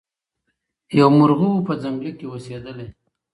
یو مرغه وو په ځنګله کي اوسېدلی